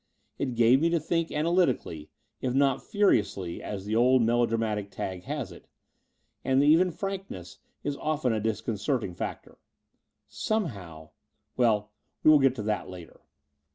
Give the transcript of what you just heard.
It gave me to think analytically, if not furiously, as the old melodramatic tag has it: and even frankness is often a disconcerting factor. Somehow — ^well, we will get to that later.